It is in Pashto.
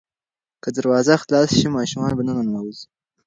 که دروازه خلاصه شي ماشوم به ننوځي.